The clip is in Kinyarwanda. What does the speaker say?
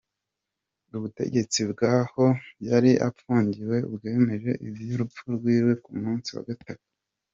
Ubutegetsi bw'aho yari apfungiwe bwemeje ivy'urupfu rwiwe ku munsi wa gatatu.